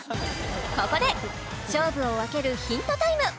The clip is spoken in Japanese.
ここで勝負を分けるヒントタイム！